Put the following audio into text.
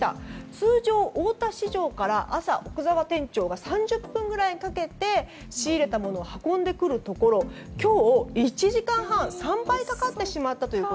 通常、大田市場から朝、奥澤店長が３０分ぐらいかけて仕入れたものを運んでくるところ今日は１時間半３倍かかってしまったと。